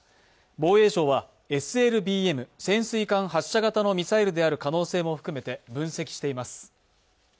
防衛省は、ＳＬＢＭ＝潜水艦発射型のミサイルの可能性も含めて分析しています。